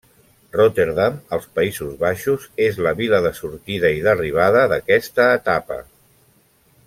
Rotterdam, als Països Baixos, és la vila de sortida i d'arribada d'aquesta etapa.